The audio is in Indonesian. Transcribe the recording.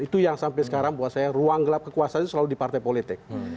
itu yang sampai sekarang buat saya ruang gelap kekuasaan itu selalu di partai politik